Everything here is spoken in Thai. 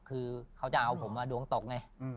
คือเขาจะเอาผมมาดวงตกไง